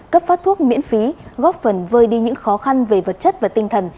cấp phát thuốc miễn phí góp phần vơi đi những khó khăn về vật chất và tinh thần